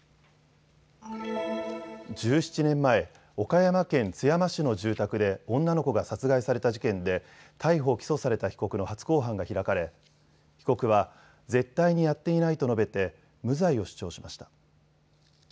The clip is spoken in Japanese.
１７年前、岡山県津山市の住宅で女の子が殺害された事件で逮捕・起訴された被告の初公判が開かれ被告は絶対にやっていないと述べて無罪を主張しました。